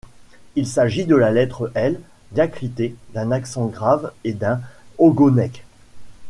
Il s’agit de la lettre I diacritée d’un accent grave et d’un ogonek.